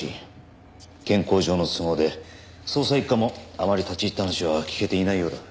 健康上の都合で捜査一課もあまり立ち入った話は聞けていないようだ。